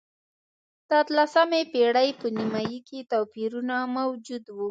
د اتلسمې پېړۍ په نییمایي کې توپیرونه موجود و.